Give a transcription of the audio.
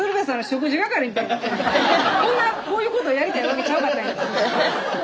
こんなこういうことやりたいわけちゃうかったんやけどな。